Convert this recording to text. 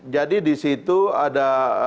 jadi di situ ada